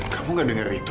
kamu gak denger itu